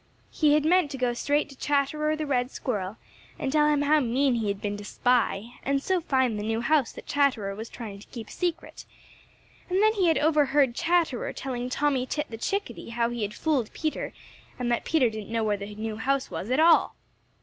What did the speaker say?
He had meant to go straight to Chatterer the Red Squirrel and tell him how mean he had been to spy and so find the new house that Chatterer was trying to keep a secret, and then he had overheard Chatterer telling Tommy Tit the Chickadee how he had fooled Peter, and that Peter didn't know where the new house was, at all.